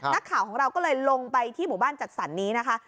นักข่าวของเราก็เลยลงไปที่หมู่บ้านจัดสรรนี้นะคะ